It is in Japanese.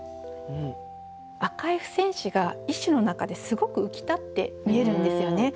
「あかい付箋紙」が一首の中ですごく浮き立って見えるんですよね。